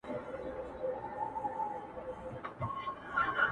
چي د هاروارډ پوهنتون استاد دی